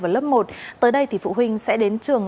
vào lớp một tới đây thì phụ huynh sẽ đến trường